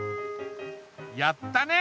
やったね！